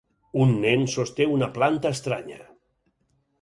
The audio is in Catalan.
Un nen sosté una planta estranya.